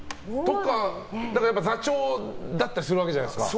やっぱり座長だったりするわけじゃないですか。